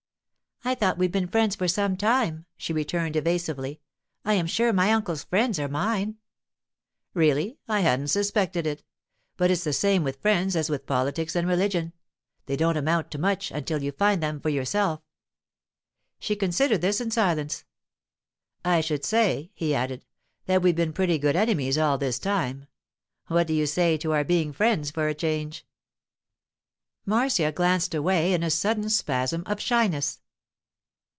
'I thought we'd been friends for some time,' she returned evasively. 'I am sure my uncle's friends are mine.' 'Really, I hadn't suspected it! But it's the same with friends as with politics and religion: they don't amount to much until you find them for yourself.' She considered this in silence. 'I should say,' he added, 'that we'd been pretty good enemies all this time. What do you say to our being friends, for a change?' Marcia glanced away in a sudden spasm of shyness.